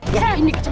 serang lagi ya